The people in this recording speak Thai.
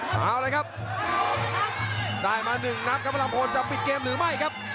เอาเลยครับได้มาหนึ่งนัดครับพระรามพลจะปิดเกมหรือไม่ครับ